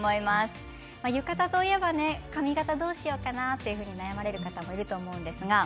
浴衣といえば髪形をどうしようかなと悩まれる方も多いと思います。